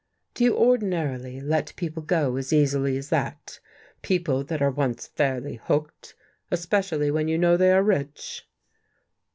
" Do you ordinarily let people go as easily as that — people that are once fairly hooked, especially when you know they are rich?